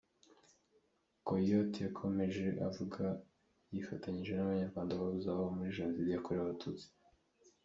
Coyault yakomeje avuga ko yifatanyije n’Abanyarwanda babuze ababo muri Jenoside yakorewe Abatutsi.